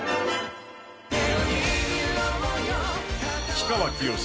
氷川きよし